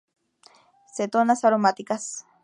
Cetonas aromáticas.